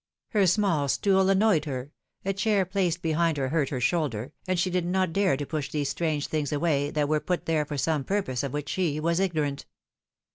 Her small stool annoyed her, a chair placed behind her hurt her shoulder, and she did not dare to push these strange things away, that were put there for some purpose of which she was ignorant.